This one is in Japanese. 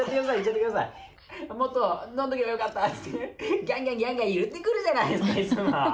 もっと飲んどけばよかったっつってギャンギャンギャンギャン言ってくるじゃないですかいつも。